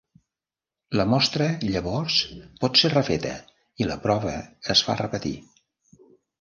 La mostra llavors pot ser refeta i la prova es fa repetir.